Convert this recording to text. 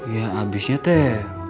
ya abisnya teh